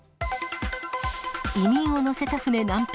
移民を乗せた船難破。